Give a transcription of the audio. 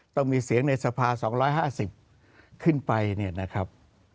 ต้องมีเสียงในสภา๒๕๐ขึ้นไปเนี่ยนะครับ